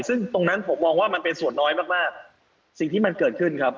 ซึ่งตรงนั้นผมมองว่ามันเป็นส่วนน้อยมากมากสิ่งที่มันเกิดขึ้นครับ